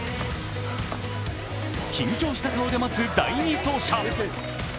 緊張した顔で待つ第２走者。